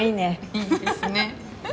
いいですね。